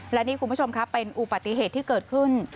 และนี่คุณผู้ชมครับเป็นอุปติเหตุที่เกิดขึ้น